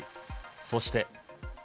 そして。